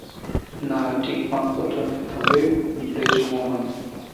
না, ঠিক পানপত্র নয়, তবে-ব্রেজমোহন।